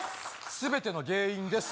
全ての原因です